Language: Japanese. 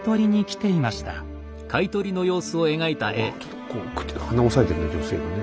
ちょっとこう鼻を押さえてるね女性がね。